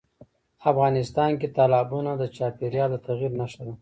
افغانستان کې تالابونه د چاپېریال د تغیر نښه ده.